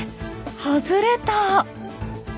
外れた！